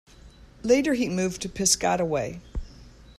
Later he moved to Piscataway.